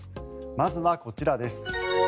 まずはこちらです。